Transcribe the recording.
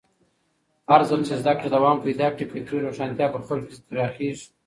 هرځل چې زده کړه دوام پیدا کړي، فکري روښانتیا په خلکو کې پراخېږي.